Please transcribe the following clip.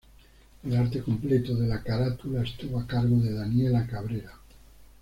El arte completo de la carátula estuvo a cargo de Daniela Cabrera.